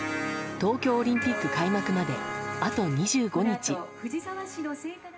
東京オリンピック開幕まであと２５日。